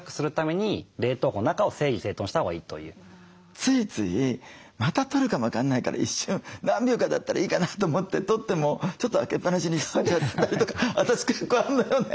ついついまた取るかも分かんないから一瞬何秒かだったらいいかなと思って取ってもちょっと開けっ放しにしちゃったりとか私結構あんのよね。